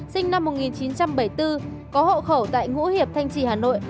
sinh năm một nghìn chín trăm bảy mươi bốn có hộ khẩu tại ngũ hiệp thanh trì hà nội